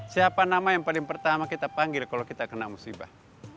siapa nama yang paling pertama kita panggil kalau kita kena musibah